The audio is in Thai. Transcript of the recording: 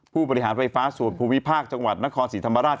ผู้บริหารไฟฟ้าส่วนภูมิภาคจังหวัดนครศรีธรรมราช